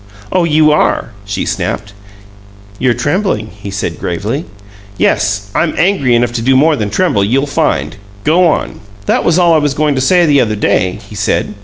"Oh, you ARE?" she snapped. "You're trembling," he said, gravely. "Yes. I'm angry enough to do more than tremble, you'll find. Go on!" "That was all I was going to say the other day," he said.